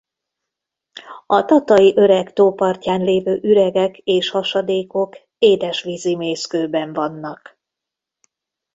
A tatai Öreg-tó partján lévő üregek és hasadékok édesvízi mészkőben vannak.